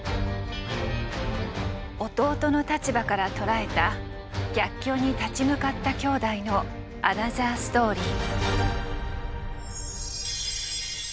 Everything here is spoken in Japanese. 弟の立場から捉えた逆境に立ち向かった兄弟のアナザーストーリー。